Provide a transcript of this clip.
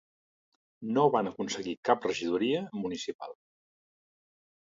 No van aconseguir cap regidoria municipal.